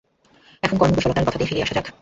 এখন কর্মকুশলতার কথাতেই ফিরিয়া আসা যাক।